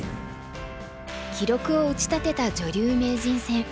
記録を打ち立てた女流名人戦。